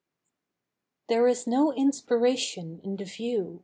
There is no inspiration in the view.